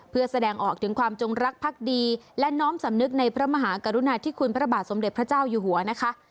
เพื่อแสดงออกถึงความจงรักภักดีและน้อมสำนึกในพระมหากรุณาธิคุณพระบาทสมเด็จพระเจ้าอยู่หัวนะคะ